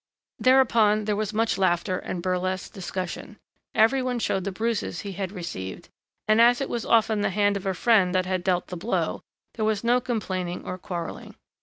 Thereupon, there was much laughter and burlesque discussion. Every one showed the bruises he had received, and as it was often the hand of a friend that had dealt the blow, there was no complaining or quarrelling.